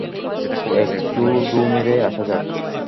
একটু ঢুঁ মেরে আসা যাক।